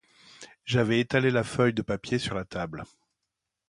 J’avais étalé la feuille de papier sur la table.